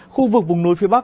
khu vực vùng núi phía bắc